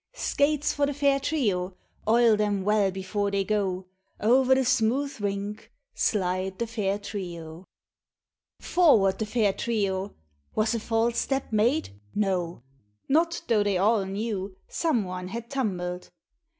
" Skates for the fair trio, Oil them well before they go," Over the smooth rink Slide the fair trio. Forward the fair trio ! Was a falfe step made ? No 1 Not tho' they all knew Some one had tumbled.